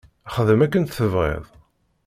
Xdem akken tebɣiḍ.